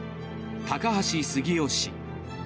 高橋杉雄氏。